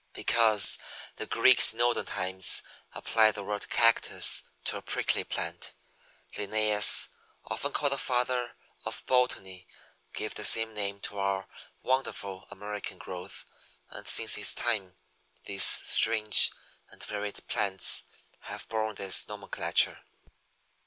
Because the Greeks in olden times applied the word Cactus to a prickly plant, Linnæus, often called the Father of Botany, gave the same name to our wonderful American growth and since his time these strange and varied plants have borne this nomenclature.